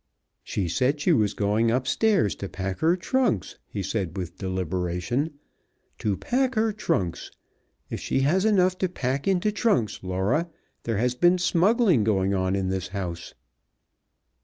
"She said she was going up stairs to pack her trunks," he said with deliberation. "To pack her trunks. If she has enough to pack into trunks, Laura, there has been smuggling going on in this house."